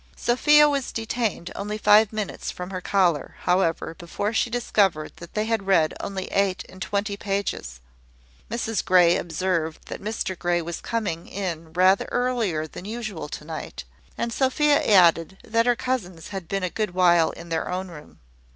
Sophia was detained only five minutes from her collar, however, before she discovered that they had read only eight and twenty pages. Mrs Grey observed that Mr Grey was coming in rather earlier than usual to night; and Sophia added, that her cousins had been a good while in their own room.